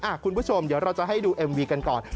คุณผู้ชมเดี๋ยวเราจะให้ดูเอ็มวีกันก่อน